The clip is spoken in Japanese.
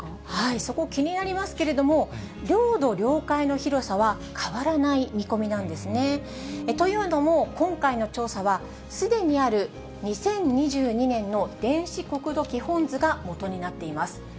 そこ、気になりますけれども、領土、領海の広さは変わらない見込みなんですね。というのも、今回の調査はすでにある２０２２年の電子国土基本図が基になっています。